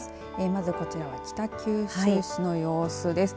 まずこちらは北九州市の様子です。